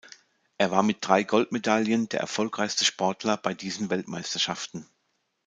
Er war mit drei Goldmedaillen der erfolgreichste Sportler bei diesen Weltmeisterschaften.